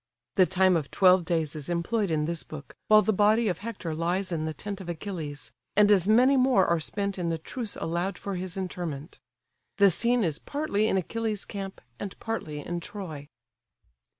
The time of twelve days is employed in this book, while the body of Hector lies in the tent of Achilles; and as many more are spent in the truce allowed for his interment. The scene is partly in Achilles' camp, and partly in Troy.